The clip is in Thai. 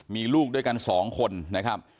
มีลูกด้วยกัน๒คนนะครับ